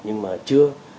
nhưng mà chưa